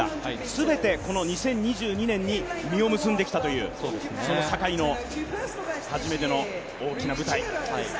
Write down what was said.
全てこの２０２２年に実を結んできたという、その坂井の初めての大きな舞台。